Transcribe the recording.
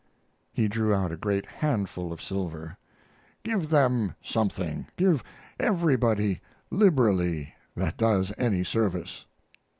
He drew out a great handful of silver. "Give them something give everybody liberally that does any service."